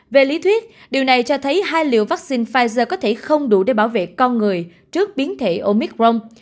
về lý thuyết điều này cho thấy hai liều vaccine pfizer có thể không đủ để bảo vệ con người trước biến thể omicron